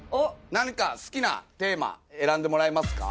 何か好きなテーマ選んでもらえますか？